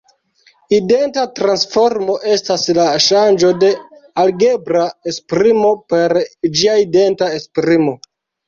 Identa transformo estas la ŝanĝo de algebra esprimo per ĝia identa esprimo.